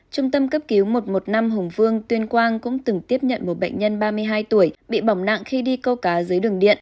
trung tâm cấp cứu một trăm một mươi năm hùng vương tuyên quang cũng từng tiếp nhận một bệnh nhân ba mươi hai tuổi bị bỏng nặng khi đi câu cá dưới đường điện